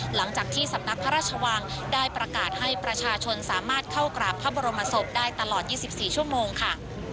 หลังจากที่สำนักพระราชวางศ์พระบรมศพพรอยากให้ประชาชนสามารถเข้ากราบได้ตลอด๒๔ชั่วโมงค่ะ